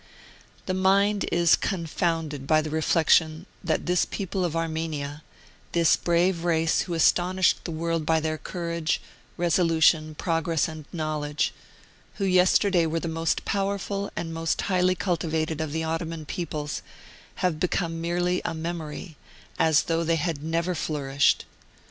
*... The mind is confounded by the reflection that this people of Armenia, this brave race who astonished the world by their courage, resolution, progress and knowledge, who yesterday were the most powerful and most highly cultivated of the Ottoman peoples, have become merely a memory, as though they had never flourished.